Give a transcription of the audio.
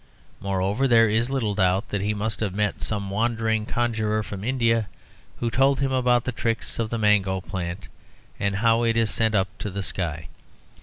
Moreover, there is little doubt that he must have met some wandering conjurer from India, who told him about the tricks of the mango plant, and how t is sent up to the sky.